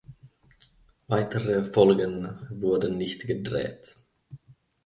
Weitere Folgen wurden nicht gedreht.